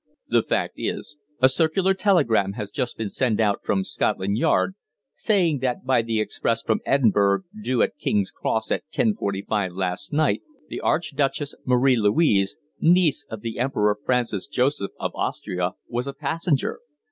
"The fact is, a circular telegram has just been sent out from Scotland Yard, saying that by the express from Edinburgh due at King's Cross at 10.45 last night the Archduchess Marie Louise, niece of the Emperor Francis Joseph of Austria, was a passenger.